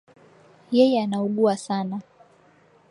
Yeye anaugua sana.